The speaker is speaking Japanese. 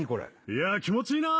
いや気持ちいいな！